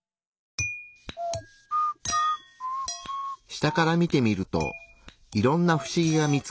下から見てみるといろんなフシギが見つかった。